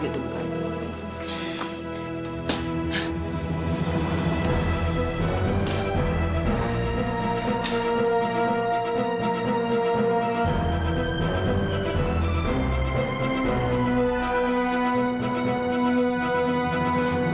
itu bukan aku